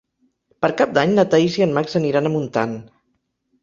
Per Cap d'Any na Thaís i en Max aniran a Montant.